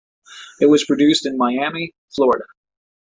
It was produced in Miami, Florida.